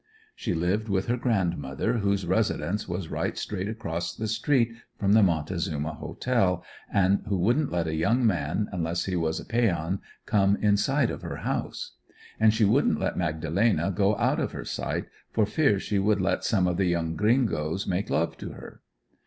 She lived with her grandmother, whose residence was right straight across the street from the Montezuma Hotel, and who wouldn't let a young man, unless he was a Peon, come inside of her house. And she wouldn't let Magdalena go out of her sight, for fear she would let some of the young "Gringoes" make love to her.